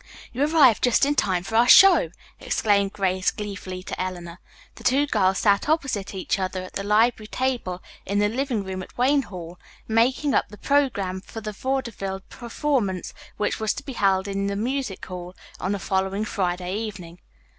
"You arrived just in time for our show!" exclaimed Grace gleefully to Eleanor. The two girls sat opposite each other at the library table in the living room at Wayne Hall, making up the programme for the vaudeville performance which was to be held in Music Hall, on the following Friday evening.